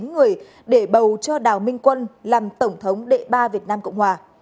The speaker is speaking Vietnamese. một trăm năm mươi chín người để bầu cho đào minh quân làm tổng thống đệ ba việt nam cộng hòa